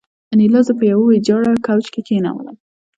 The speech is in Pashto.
انیلا زه په یوه ویجاړ کوچ کې کېنولم